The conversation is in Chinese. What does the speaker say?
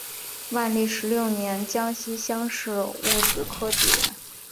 万历十六年江西乡试戊子科举人。